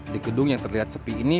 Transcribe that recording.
di gedung yang terlihat sepi ini